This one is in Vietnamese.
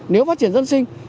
nếu phát triển dân sinh